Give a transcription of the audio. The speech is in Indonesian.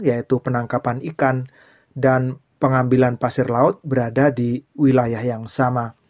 yaitu penangkapan ikan dan pengambilan pasir laut berada di wilayah yang sama